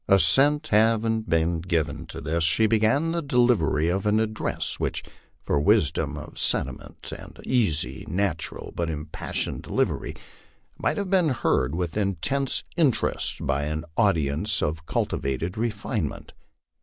Assent having been given to this, she began the delivery of an address which for wisdom of sentiment, and easy, natural, but impassioned delivery, might have been heard with intense interest by an audience of cul LIFE ON THE PLAINS. 171 tivated refinement.